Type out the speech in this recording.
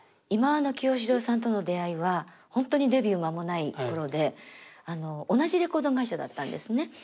忌野清志郎さんとの出会いは本当にデビュー間もない頃で同じレコード会社だったんですね。